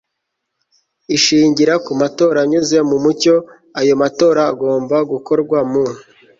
ishingira ku matora anyuze mu mucyo. ayo matora agomba gukorwa mu